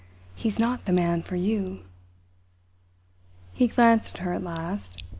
He's not the man for you!" He glanced at her at last.